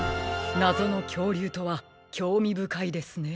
なぞのきょうりゅうとはきょうみぶかいですね。